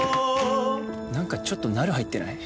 何かちょっとナル入ってない？